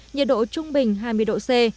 nhiệt độ trung bình hai mươi độ c